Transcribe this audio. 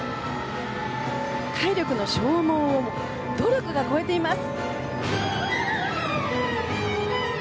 体力の消耗を努力が超えています。